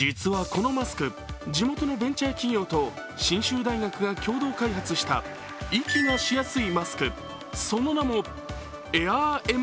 このマスク地元のベンチャー企業と信州大学が共同開発した息がしやすいマスク、その名もＡＩＲＭ